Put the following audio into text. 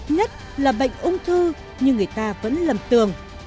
nhất là bệnh ung thư nhưng người ta vẫn lầm tường